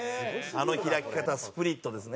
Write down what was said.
あの開き方スプリットですね。